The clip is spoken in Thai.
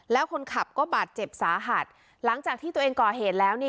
แล้วคนขับก็บาดเจ็บสาหัสหลังจากที่ตัวเองก่อเหตุแล้วนี่